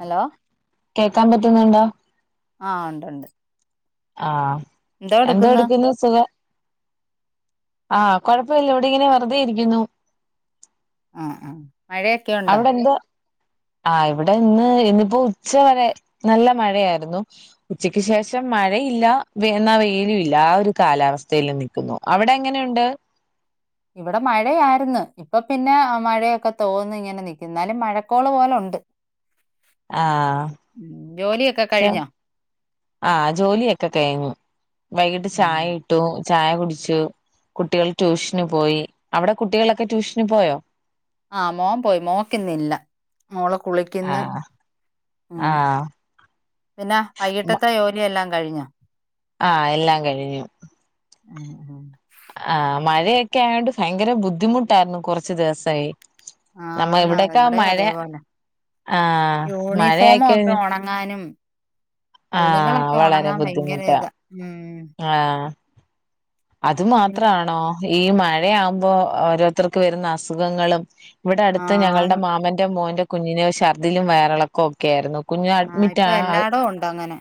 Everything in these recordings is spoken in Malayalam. ഹലോ കേക്കാൻ പറ്റുന്നുണ്ടോ ആ ഉണ്ട് ഉണ്ട് ആഹ എന്താ എടുക്കുന്നു സുഖം ആഹ കൊഴപ്പമില്ല ഇവിടെ ഇങ്ങനെ വെറുതെ ഇരിക്കുന്നു ആ ആഹ മഴയൊക്കെയ ഉണ്ടോ ആ ഇവിടെ ഇന്ന് ഇന്നിപ്പോൊ ഉച്ച വരെ നല്ല മഴയായിരുന്നു ഉച്ചക്ക് ശേഷം മഴയില്ല എന്ന വെയിലും ഇല്ല ആ ഒരു കാലാവസ്ഥൽ നിൽക്കുന്നു അവിടെ എങ്ങനെയുണ്ട് ഇവിടെ മഴ ആായിരുന്നു ഇപ്പൊ പിന്നെ മഴയൊക്കെ തോന്ന ഇങ്ങനെ നക്ക എന്നാലും മഴക്കോള് പോലെ ഉണ്ട് ആഹ ഉം, ജോലിയൊക്കെ പക്ഷെ കഴിഞ്ഞോ ആഹ് ജോലിയൊക്കെ കഴിഞ്ഞു വൈകിട്ട് ഉം. ചായ ഇട്ടു ചായ കുടിച്ചു കുട്ടികൾ ട്യൂഷന് പോയി അവിടെ കുട്ടികളൊക്കെ ട്യൂഷന് പോയോ ആഹ മോൻ പോയി മോക്കൊന്നില്ല ആഹ ഉം. ആഹ പിന്നെ വൈകിട്ടത്തെ ജോലിയെല്ലാം കഴിഞ്ഞു ആഹ എല്ലാം കഴിഞ്ഞു ഉഹ ഉഹ ആഹ മഴയൊക്കെ ആയോണ്ട് ഭയങ്കര ബുദ്ധിമുട്ടായിരുന്നു കുറച്ച് ദിവസമായി ആന്ന് ഇവിടെ അതേപോലെ ആഹ് യൂണിഫോമ ഒക്കെ ഉണങ്ങാനും തുണികളൊക്കെ ആവളരെ ഉണങ്ങാൻ ഭയങ്കര ബുദ്ധിമുട്ട ഇതാ ഉം. ആ അത് പിന്നെ മാത്രം ആണോ ഈ മഴയാകുമ്പോ ഓരോരുത്തർക്ക് വരുന്ന അസുഖങ്ങളും ഇവിടെ അടുത്ത് ഞങ്ങളുടെ ആന്ന് മാമന്റെ മോൻന്റെ കുഞ്ഞിനോ ഛർദിലും വേറിളക്കം ഒക്കെ ആയിരുന്നു കുഞ്ഞ് ആഹ് അഡ്മിറ്റ് ഇപ്പൊ എല്ലാടവും ഉണ്ട് അങ്ങനെ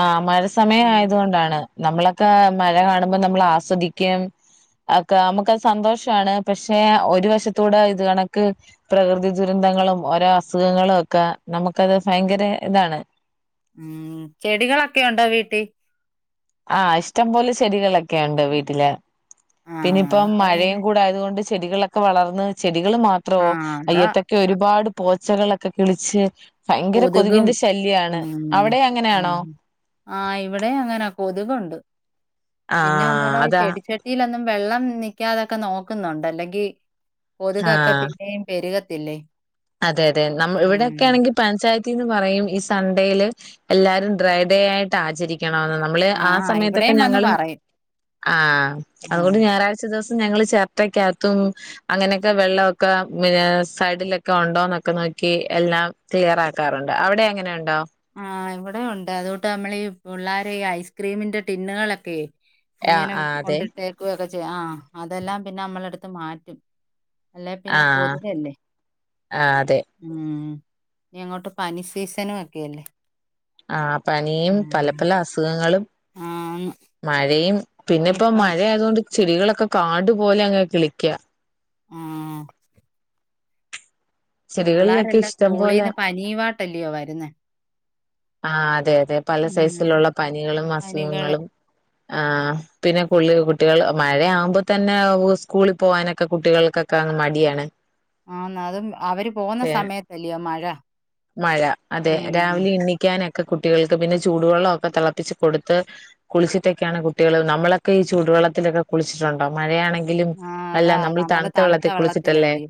ആ മഴ സമയം ഉം. ആയതുകൊണ്ടാണ് നമ്മളൊക്കെ മഴ കാണ നമ്മൾ ആസ്വദിക്കും ഒക്കെ നമുക്ക്ത് സന്തോഷമാണ് പക്ഷെ ഒരു വശത്തൂടെ ഇത് കണക്ക് പ്രകൃതി ദുരന്തങ്ങളും ഓരോ അസുഖങ്ങളും ഒക്കെ നമുക്കത് ഭയങ്കര ഇതാണ് ഉം ചെടികളൊക്കെ ഉണ്ടോ വീട്ടിൽ ആഹ് ഇഷ്ടംപോലെ ചെടികളൊക്കെ ഉണ്ട് വീട്ടില് പിന്ന ആഹ് ഇപ്പം അപ്പൊ ഇങ്ങനെ മഴയും കൂട ആയത തുകൊണ്ട് [inaudible] ആഹ് അതാ [inaudible] [unintelligible] [inaudible] [inaudible] അവിടെ അങ്ങനെയാണോ? [inaudible] [inaudible] ആഹ് അതാ [inaudible] [inaudible] ആഹ് [inaudible] ഉം [inaudible] [inaudible] ആഹ് ഇവിടെയും വന്ന് പറയും [unintelligible] ഉം [inaudible] [inaudible] [inaudible] [inaudible] ആഹ് ആഹ് അതെ [inaudible] [inaudible] ആഹ് ആഹ് [inaudible] അതെ [inaudible] [inaudible] [inaudible] [inaudible] [inaudible] പിന്നെ ഇപ്പം ഇനിയിപ്പം മഴ ആയത് കൊണ്ട് ചെടികളൊക്ക കാട് പോലെ അങ്ങ് കിളിക്ക്യാ അഹ് ചെടികളിലൊക്കെ പുള്ളാരെല്ലാം ഇഷ്ടം സ്കൂളിന്ന് പനിയും ആട്ട് അല്ലെയോ വരുന്നേ ആഹ് അതെ അതെ പല സൈസിൽ ഉം ഉള്ള പനികളും പനികള് അസുഖങ്ങളും ആഹ് പിന്നെ [unintelligible] കുട്ടികള് മഴ ആവുമ്പോ തന്നെ സ്കൂളിൽ പോവാനൊക്ക കുട്ടികൾക്കക്ക അങ്ങ് മടിയാണ് ആന്ന് അതും അവര് പോവുന്ന ഏ സമയത്ത് അല്ലെയോ മഴ മഴ അതെ ഉം രാവിലെ എണിക്കാനൊ ക്കെ കുട്ടികൾക്ക് പിന്നെ ചൂട് വെള്ളം ഒക്ക തെളപ്പിച്ച് കൊടുത്ത് കുളിച്ചിട്ടൊക്കെ ആണ് കുട്ടികള് നമ്മളൊക്കെ ഈ ചൂടുവെള്ളത്തിലൊക്ക കുളിച്ചിട്ട് ഒണ്ടോ മഴ ആണെ ങ്കിലും ആ അല്ല അതാ നമ്മള് തണുത്ത വെള്ളത്തി കുളിച്ചിട്ട് അല്ലേ വെള്ളത്തിലല്ലയോ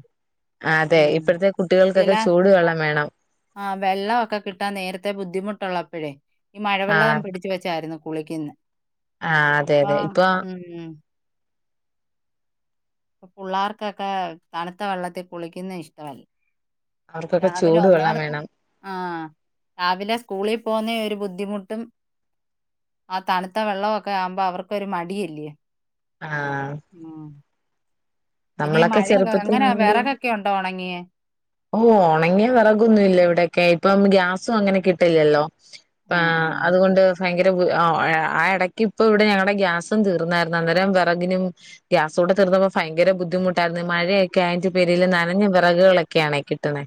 ആ അതെ ഉം ഇപ്പഴത്തെ ചില കുട്ടികൾക്കൊക്കെ ചൂട് വെള്ളം വേണം ആ വെള്ളം ഒക്കെ കിട്ടാൻ നേരത്തെ ബുദ്ധിമുട്ടുള്ള അപ്പഴേ ഈ ആ മഴവെള്ളം പിടിച്ചു വെച്ചായിരുന്നു കുളിക്കുന്നെ ആ അതെ ഇപ്പ അതെ ഇപ്പൊ ഹം പിള്ളേർക്കൊക്കെ തണുത്ത വെള്ളത്തിൽ കുളിക്കുന്ന ഇഷ്ടമല്ല അവർക്കൊക്കെ രാവിലെ ചൂടുവെള്ളം ഒന്നാത്തെ വേണം ആഹ രാവിലെ സ്കൂളിൽ പോകുന്ന ബുദ്ധിമുട്ടും ആ തണുത്ത വെള്ളമൊക്കെ ആവുമ്പോ അവർക്കൊരു മടിയല്ലേ ആ ങ്ങാ നമ്മളൊക്കെ ചെറുപ്പത്തിലാണെങ്കിൽ വിറകൊക്കെ ഉണ്ടോ ഉണങ്ങിയേ ഓ ഉണങ്ങിയ വിറകൊന്നുമില്ല ഇവിടെയൊക്കെ ഇപ്പം ഗ്യാസും അങ്ങനെ കിട്ടില്ലല്ലോ ആ ആഹ് അതുകൊണ്ട് ഭയങ്കര ആ ഇടയ്ക്ക് ഇപ്പ ഇവിടെ ഞങ്ങളുടെ ഗ്യാസും തീർന്നായിരുന്നു അന്നേരം വിറകിനും ഗ്യാസകൂടെ തീർന്നപ്പോ ഭയങ്കര ഭയങ്കര ബുദ്ധിമുട്ടായിരുന്നു മഴയൊക്കെ ആയ പേരില് നനഞ്ഞ വിറകുകളൊക്കെയാണ് കിട്ടണേ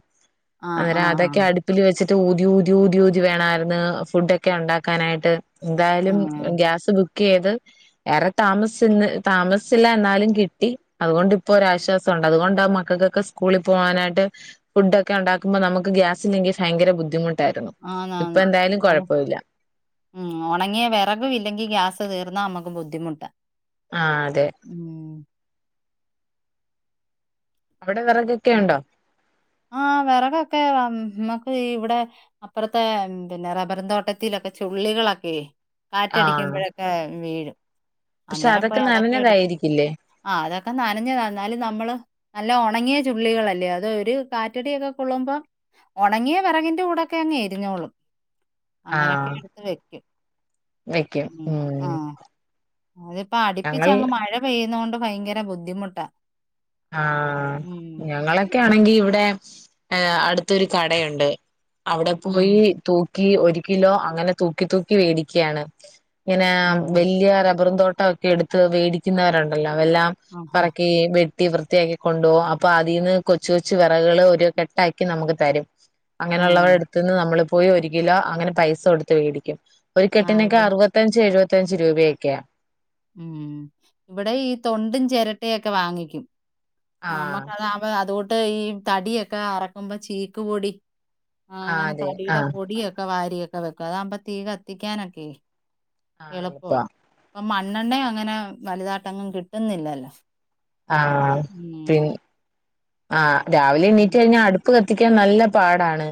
ആഹ് ആഹ് അന്നേരം ആഹ് അതൊക്കെ അടുപ്പിൽ വെച്ച് ഊതി ഊതി ഊതി ഊതി വേണമായിരുന്നു ഫുഡ് ഒക്കെ ഉണ്ടാക്കാനായിട്ട് എന്തായാലും ആഹ് ഗ്യാസ് ബുക്ക് ബുക്ക് ചെയ്ത്ഏറെ താമസിച്ചു എന്ന് താമസിച്ചില്ല എന്നാലും കിട്ടി അതുകൊണ്ട് ഇപ്പോൾ ഒരു ആശ്വാസമുണ്ട് അതുകൊണ്ട് ആ മക്കൾക്കൊക്കെ സ്കൂളിൽ പോകാനായിട്ട് ഫുഡ് ഒക്കെ ഉണ്ടാക്കുമ്പോൾ നമുക്ക് ഗ്യാസില്ലെങ്കിൽ ഭയങ്കര ബുദ്ധിമുട്ട് ആന്ന് ആന്ന് അത് ഉം ഒണങ്ങിയ വെറ കു ഇല്ലെങ്കി ഗ്യാസ് തീർന്നാ അമ ബുദ്ധിമുട്ടാ ആഹ് അതെ ഉം അവിടെ വിറകൊക്കെ ഉണ്ടോ ആ വെറകൊക്കെ വം നമ്മുക്ക് ഇവിടെ അപ്പുറത്തെ പിന്നെ റബ്ബറും തോട്ടത്തിൽ ഒക്കെ ചുള്ളികളൊക്കെ ആ കാറ്റടിക്കുമ്പഴൊക്കെ വീഴും പക്ഷെ അന്നേരം പോയി അതൊക്കെ എട്ക്കും നനഞ്ഞതായിരിക്കില്ലേ ആ അതൊക്കെ നനഞ്ഞതാ എന്നാലും നമ്മള് നല്ല ഒണങ്ങിയ ചുള്ളികളല്ലേ അത് ഒരു കാറ്റടിയൊക്കെ കൊള്ളുമ്പം ഒണങ്ങിയ വെറകിന്റെ കൂടൊക്കെ അങ്ങെരിഞ്ഞോളും ആ അങ്ങനെക്കെ എട്ത്ത് വെക്കും വെക്കും ഉം ആഹ് അതിപ്പ അടുപ്പിച്ച് ഞങ്ങൾ അങ്ങ് മഴ പെയ്യുന്നോ ഇപ്പ ഭയങ്കര ബുദ്ധിമുട്ടാ ആഹ് ഉം ഞങ്ങളൊക്കെ ആണെങ്കി ഇവിടെ അടുത്തൊരു കടയുണ്ട് അവിടെ ഉം പോയി തൂ ക്കി ഒരു കിലോ അങ്ങനെ തൂക്കി തൂക്കി വേടിക്ക്യാണ് ഇങ്ങനാ ആ വലിയ റബ്ബറും തോ ട്ടൊക്കെ എടുത്ത് വേടിക്കുന്നവര്ണ്ടല്ലോ അവെല്ലാം ആഹാ പറക്കി വെ വൃത്തി വൃത്തിയാക്കി കൊണ്ടുപോവും അപ്പൊ അതീന്ന് കൊച്ചു കൊച്ചു വെറക് കള് ഒരു കെട്ടാക്കി നമുക്ക് തരും ഉം അങ്ങനെയുള്ളവരെ അടുത്ത്ന്ന് നമ്മള് പോയി ഒരു കിലോ അങ്ങനെ പൈസ കൊടുത്ത് വേടിക്കും ഒര് ആ കെട്ടിനക്കെ ഇവിടെ അറുപത്തഞ്ച് എഴു ത്തഞ്ച് രൂപയൊക്കെയാ ഉം ഇവിടെ ഈ തൊണ്ടും ചെരട്ടയൊക്കെ വാങ്ങിക്കും ആ ആഹ് അമ്മക്ക്‌ അത് ആവേ അതോ ട്ട് ഈ തടിയൊക്കെ അറക്കുമ്പോ ചീക്ക് പൊടി ആ ആഹ് അങ്ങനെ അതെ തടിയുടെ ആഹ് പൊടിയൊക്കെ വാരിയെ ക്കെ വെക്കും അതാവ്മ്പോ തീ കത്തിക്കാനൊക്കെ ആഹ് എള്പ്പവാ എളുപ്പവാ മ ണ്ണണ്ണയും അങ്ങനെ വലുതാട്ടങ്ങും കിട്ടുന്നില്ലല്ലോ ആ പിൻ ഉം. ആ രാവിലെ ഉം. എണീറ്റ് കഴിഞ്ഞ അടുപ്പ് ക ത്തിക്കാൻ നല്ല പാടാണ്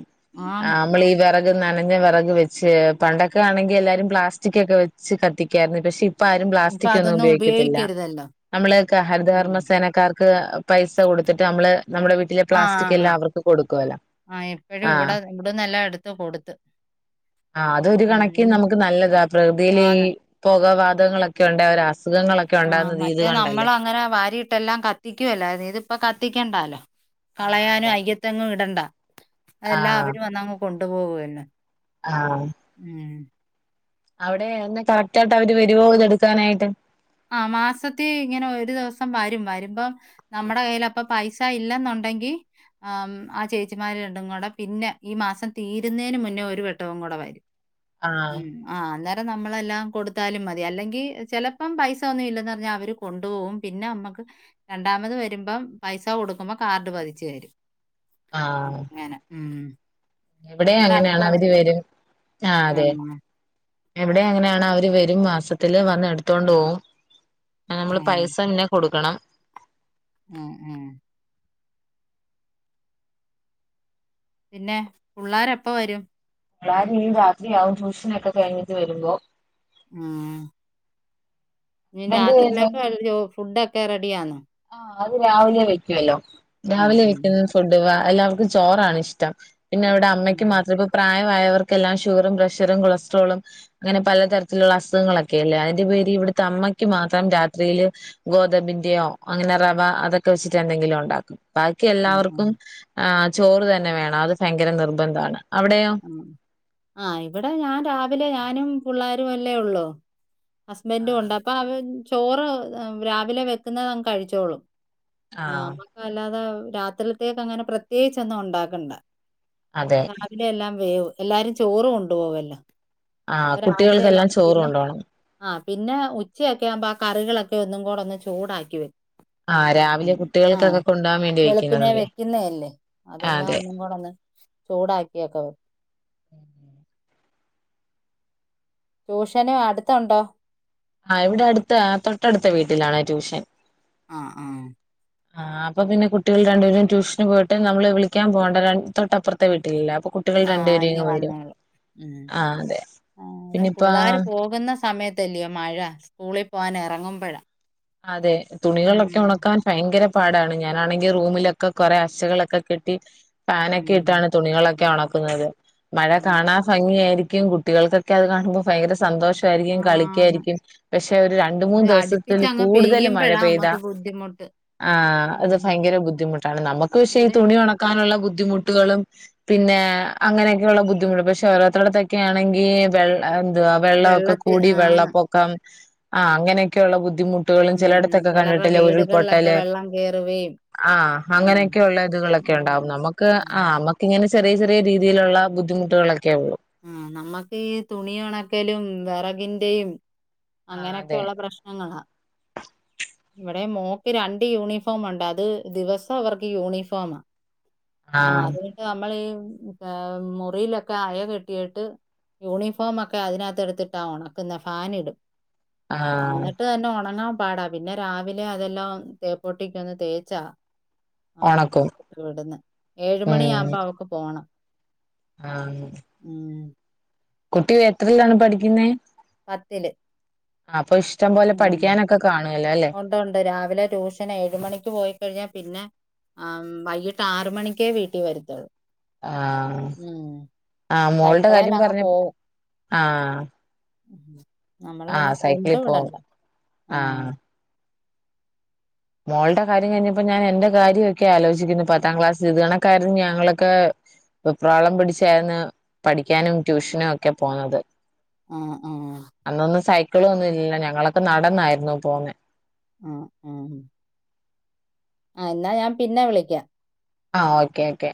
ആ ആന്ന്. അമ്മളീ വെറ ക് നനഞ്ഞ വെറക് വെച്ച് പണ്ടൊക്കെ ആണെങ്കി എല്ലാരും പ്ലാസ്റ്റിക് ഒക്കെ വെച്ച് കത്തിക്കാരുന്നു പക്ഷെ ഇ പ്പ ആരും ഇപ്പൊ പ്ലാസ്റ്റിക് ഒന്നും അതൊന്നും ഉപയോക്കത്തില്ല ഉപയോഗിക്കരുതല്ലോ. നമ്മള് ക്കെ ഉം. ഹരിതകർമ്മ സേനക്കാർക്ക് പൈസ കൊട് ത്തിട്ട് അമ്മള് നമ്മ്ളെ വീട്ടിലെ ആ പ്ലാസ്റ്റിക് ആ. എല്ലാം അവർക്ക് കൊടുക്കുവല്ലൊ ആ ഇപ്പഴും ആ ഇവിടെ ഇവിടുന്നെല്ലാം എടുത്ത് കൊടുത്ത്. അതൊരു ഉം. കണക്കിൻ നമുക്ക് നല്ലതാ പ്രകൃതിൽ ഈ ആന്ന്. പൊക വാ തങ്ങളൊക്കെ ഒണ്ടേ ഒരാസ് ആ മറ്റേ നമ്മള അങ്ങനെ വാരീട്ടെല്ലാം കത്തിക്കുവല്ലാര് ഇതിപ്പ കത്തി ക്കണ്ടാലോ ആഹ് കളയാനും അതാ അയ്യത്തെങ്ങും ഇടണ്ട അതെല്ലാം ആഹ് അവരും വന്നങ്ങ് കൊൺ ട്ട് പോകുവല്ലേ ആഹ് ഉം അവിടെ ഒന്ന് കറക്റ്റായിട്ട് അവര് വരുവോ ഇത് എടുക്കാനായിട്ട് ആ മാസത്തി ഇങ്ങനെ ഒരു ദിവസം വരും വരുമ്പം നമ്മുടെ കയ്യിലപ്പം പൈസ ഇല്ലെന്നൊണ്ടെങ്കി ആ ആ ചേച്ചിമാര് രണ്ടും കൂടെ പിന്നെ ഈ മാസം തീരുന്നേന് മുന്നേ ഒരു വട്ടോ. കൂടെ വരും ആഹ് ഉം ആ ന്നേ നമ്മളെല്ലാം കൊടുത്താലും മതി അല്ലെങ്കി ചെല പ്പം പൈസ ഒന്നും ഇല്ലന്ന് പർഞ്ഞാ അവര് കൊണ്ടുപോവും പിന്നെ അമ്മക്ക് രണ്ടാമത് വരുമ്പം പൈസ കൊടുക്കുമ്പോ കാർഡ് പതിച്ചു തരും അങ്ങനെ ഉം ഇവിടെം ഇവിടെ അങ്ങനാണ് അടുത്തുള്ള അവര് ചേച്ചി. വരും ആ അതെ എവിടെ എങ്ങനെയാണ് അവര് വരും മാസത്തില് വന്ന് എടുത്തോണ്ട് പോകും ആ. നമ്മള് പൈസ പിന്നെ കൊടുക്കണം ഉം ഉം പിന്നെ പുള്ളാരെപ്പ വരും പുള്ളാര് രാത്രിയാകും ട്യൂഷന് ഒക്കെ കഴിഞ്ഞിട്ട് വരുമ്പോ ആഹ് നി ഇതെന്ത് രാത്രീലേക്കെോ വെൽ ചോ ഫുഡ് എക്കെ റെഡിയാന്നോ ആഹ് അത് രാവിലെ വെക്കുവല്ലോ ആഹ് ഞാവിലെ ആഹ്. വിക്കുന്നന്ന് ഫൊഡ് വാ എല്ലാർക്കും ചോറാണ് ഇഷ്ടം പിന്നെ അവ്ടെ അമ്മയ്ക്ക് ഉം. മാത്രം ഇപ്പൊ പ്രായം ആയവർക്കെല്ലാം ഷുഗറും പ്രഷറും കൊളസ്ട്രോളും അങ്ങനെ പലതരത്തിലുള്ള അസുഖങ്ങളൊക്കെല്ലേ അതിന്റെ പേര് ഇവിടുത്തെ അമ്മയ്ക്ക് മാത്രം രാത്രിയില് ഗോതബിന്റെയോ അങ്ങനെ റവ അതൊക്കെ വച്ചിട്ട എന്തെങ്കിലും ഒണ്ടാക്കും ബാക്കി ആഹ് ആഹ്. എല്ലാവർക്കും ആ ചോറ് തന്നെ വേണം അത് ഫയ്ങ്കര നിർബന്ധാണ് ആഹ ഇവിടെ ഞാൻ രാവിലെ ഞാനും പിള്ളേരു അല്ലേ ഉള്ളൂ ഹസ്ബൻറും കൊണ്ട് അപ്പൊ അവ ചോറ് രാവിലെ വെക്കുന്നതങ്ങ് കഴിച്ചോളും ആഹ ആഹ് നമ്മക്ക അല്ലാതെ രാത്രിത്തേക്ക് അങ്ങനെ പ്രത്യേകിച്ചൊന്നും ഉണ്ടാക്കണ്ട അതെ ഞാൻ വേ എല്ലാരും ചോറും കൊണ്ടുപോവല്ലോ ആഹ് അപ്പൊ രാവിലെല്ല കുട്ടികൾക്കെല്ലാം ചോറ് പിന്നെ കൊണ്ടോണം ആ പിന്നെ ഉച്ചയൊക്കെ ആുമ്പോ ആ കറികളൊക്കെ ഒക്കെ ഒന്നും കൂടെ ഒന്ന് ചൂടാക്കി വയ്ക്കും ആഹ് ഉ രാവിലെ ആഹ കുട്ടികൾക്കൊക്കെ കൊണ്ടോവാൻ വേണ്ടി വെളുപ്പിനെ വെക്കുന്നതല്ലേ വെക്കുന്ന അല്ലേ അതെല്ലാം അതെ ഒന്നും കൂടന്ന് ചൂടാക്കാക്കി കേക്കാവോ ഉം ട്യൂഷനും അടുത്തുണ്ടോ ആ ഇവിടെ അടുത്ത തൊട്ടടുത്ത വീട്ടിലാണ ട്യൂഷൻ ആഹ ആഹ ആഹ് അപ്പൊ പിന്നെ കുട്ടികൾ രണ്ടുപേരും ട്യൂഷന് പോയിട്ട് നമ്മള് വിളിക്കാൻ പോകണ്ട തൊട്ടപ്പുറത്തെ വീട്ടിലല്ല അപ്പൊ കുട്ടികൾ ആഹ രണ്ടുപേരും ഇഞ്ഞു ഇങ്ങ് വരും വന്നേളൂ ഉ ആ അതെ ആ അതും പിന്നിപ്പ പിള്ളർ പോകുന്ന സമയത്തല്ലിയോ മഴ സ്കൂളിൽ പോവാൻ ഇറങ്ങുമ്പഴ അതെ തുണികളൊക്കെ ഉണക്കാൻ ഭയങ്കര - പാടാണ് ഞാനാണെങ്കിൽ റൂമിലൊക്കെ കൊറേ അശകളൊക്കെ കെട്ടി ഫാനൊക്കെ ഉം ഇട്ടാണ് തുണികളൊക്കെ ഉണക്കു - ക്കുന്നത്. മഴ ഉം കാണാൻ ഭംഗിയായിരിക്കും ക്കും കുട്ടികൾക്കൊക്കെ അത് കാണുമ്പോ ഭയങ്കര സന്തോഷായിരിക്കും ആന്ന് കളിക്കായിരിക്കും പക്ഷെ ഒരു രണ്ട് മൂന്ന് അടുപ്പിച്ച് ദിവസത്തിൽ- അങ്ങ് കൂടുതല് മഴ പെയ്യുമ്പോഴാ പെയ്ത. നമ്മക്ക് ബുദ്ധിമുട്ട് ആ അത് ഭ ഉം യങ്കര ബുദ്ധിമുട്ടാണ് നമുക്ക് പക്ഷേ ഈ ഇവിടെ തുണി ഉണക്കാനുള്ള ബുദ്ധി മുട്ടുകളും പിന്നെ അങ്ങനെയൊക്കെയുള്ള ബുദ്ധിമുട്ടും പക്ഷെ ഓരോരുത്തര്ടെ അടുത്തൊക്കെ ആണെങ്കിൽ വെളളമ എന്തുവാ വെള്ളം ഒക്കെ വെള്ളത്തി കൂടി ആന്ന് വെള്ളപ്പൊക്കം ആഹ് അങ്ങനെയൊക്കെയുള്ള ബുദ്ധിമു ഇപ്പളും ഉം ചിലയിടത്തൊക്കെ ചിലരുടെ കണ്ടിട്ടില്ലേ വീടുകളിലൊക്കെ ഉരുൾപൊട്ടല് വെള്ളം കേറുകയും ആ ഉം അങ്ങനെയൊക്കെയുള്ള ഇതുകളൊക്കെ ഉണ്ടാവും അങ്ങനെയുണ്ട് നമ്മുക്ക് ഉം ആഹ് നമ്മക്ക് ഇങ്ങനെ ചെറിയ ചെറിയ രീതിയിലുള്ള ബുദ്ധിമുട്ടുകളൊക്കെ ഉള്ളൂ ആ നമ്മക്ക് ഈ തുണി ഉണക്കലും വിറകിന്റെയും ആഹ് അതെ അങ്ങനെയൊക്കെയുള്ള പ്രശ്നങ്ങള ഇവിടെം മോക്ക് രണ്ട് യൂണിഫോം ഒണ്ട് അത് ദിവസോം അവർക്ക് യൂണിഫോമ. ആഹ് അത് ന്നിട്ട് നമ്മള് ഈ ക മുറിയിലൊക്കെ അയ കെ ട്ടിയിട്ട് യൂണിഫോമൊക്കെ അതിനകത്ത് എടുത്തിട്ട ഓണക്കുന്നെ ഫാന് ഇടും. ആഹ് എന്നിട്ട് തന്നെ ഒണങ്ങാ പാടാ പിന്നെ രാവിലെ അതെല്ലാം തേപ്പൊട്ടിക്ക് ഒന്ന് തേച്ച ഒണക്കും ഏഴുമണി ഉം ആവുമ്പോ അവക്ക് പോണം. ആഹ് ഉം കുട്ടി എത്രയിലാണ് പഠിക്കുന്നേ? പത്തില്. ആ അപ്പൊ ഇഷ് ടം പോലെ പഠിക്കാനൊക്കെ കാണുവല്ലോ ല്ലേ? വിലെ ട്യൂഷൻ ഏഴ് മണിക്ക് പോയിക്കഴിഞ്ഞ പിന്നെ ആ മ്മ് വൈകിട്ട് ആറ് മണിക്കേ വീട്ടിൽ വരുത്തുള്ളൂ ആഹ് ഉം ആഹ് മോളുടെ സൈക്കിളേൽ കാര്യം അങ്ങ് പറഞ്ഞ പോവും ആഹ് ഉം നമ്മള് പിന്നെ ആഹ് കൊണ്ട് സൈക്കിളിൽ പോവും. വിടണ്ട ആ ആഹ് മോൾടെ കാര്യം കഴിഞ്ഞപ്പോ ഞാൻ എൻ്റെ കാര്യൊക്കെ ആലോചിക്കുന്നു പത്താം ക്ലാസ്സിതു കണക്കാരുന്നു ഞങ്ങളൊക്കെ വെപ്രാളം പിടിച്ചായിരുന്നു പഠിക്കാനും ട്യൂഷനും ഒക്കെ പോകുന്നത് ആ ആ ക്കളൊന്നുല്ല ഞങ്ങളൊക്കെ നടന്നായിരുന്നു പോന്നെ ആ ആ ആ എന്നാ ഞാൻ പിന്നെ വിളിക്കാം ആ ഓക്കെ ഓക്കെ